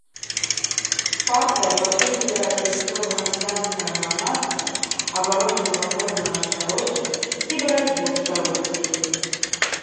Партыя падтрымлівае развіццё грамадзянскага грамадства, абароны навакольнага асяроддзя і барацьбу з карупцыяй.